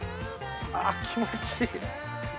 あ気持ちいい！